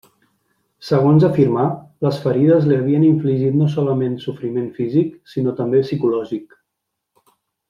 Segons afirmà, les ferides li havien infligit no solament sofriment físic, sinó també psicològic.